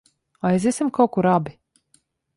Aiziesim kaut kur abi?